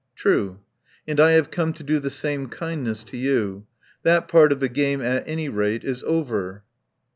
"True. And I have come to do the same kindness to you. That part of the game, at any rate, is over."